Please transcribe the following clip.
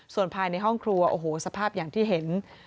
ส่วนภายในห้องครัวโอ้โหสภาพอย่างที่เห็น